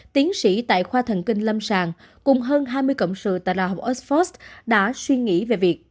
tiến sĩ tại khoa thần kinh lâm sàng cùng hơn hai mươi cộng sự tại đại học oxford đã suy nghĩ về việc